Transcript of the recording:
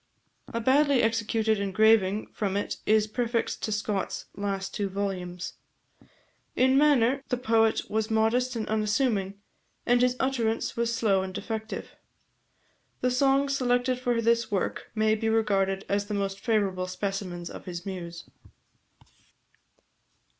A badly executed engraving from it is prefixed to Scott's last two volumes. In manner, the poet was modest and unassuming, and his utterance was slow and defective. The songs selected for this work may be regarded as the most favourable specimens of his muse.